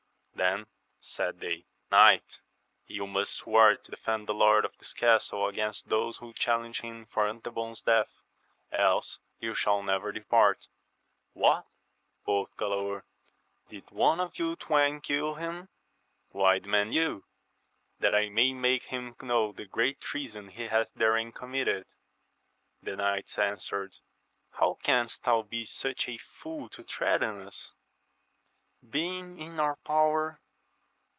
Then said they, Knight, you must swear to defend the Lord of this castle against those who challenge him for Antebon's death, else you shall never depart. What ! quoth Galaor, did one of you twain kill him? — Why demand you? — That I may make him know the great treason he hath therein committed. The knights answered, How canst thou be such a fool io threaten us, being in our power